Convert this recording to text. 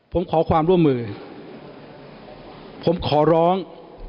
ผมขอความร่วมมือผมขอร้อง